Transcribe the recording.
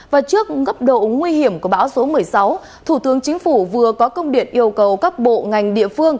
và trước gấp độ nguy hiểm của bão số một mươi sáu thủ tướng chính phủ vừa có công điện yêu cầu các bộ ngành địa phương